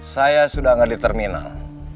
saya sudah ada di terminal